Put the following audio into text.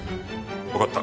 わかった。